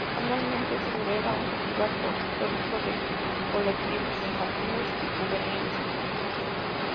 Anualmente se celebra un festival folclórico de colectivos infantiles y juveniles.